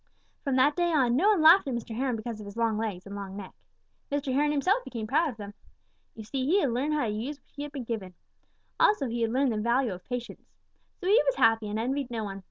From that day on, no one laughed at Mr. Heron because of his long legs and long neck. Mr. Heron himself became proud of them. You see, he had learned how to use what he had been given. Also he had learned the value of patience. So he was happy and envied no one.